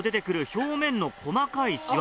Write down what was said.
表面の細かいシワ。